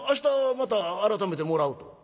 また改めてもらうと」。